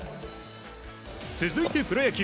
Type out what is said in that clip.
続いてプロ野球。